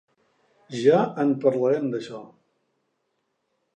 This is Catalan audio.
Ja en parlarem d’això.